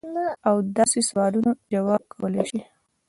او د داسې سوالونو جواب کولے شي -